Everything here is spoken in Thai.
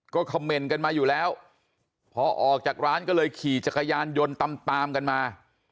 ก็คำเมนต์กันมาอยู่แล้วพอออกจากร้านก็เลยขี่จักรยานยนต์ตามตามกันมา